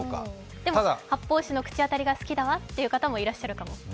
でも発泡酒の口当たりが好きだわっていう方もいらっしゃるかも。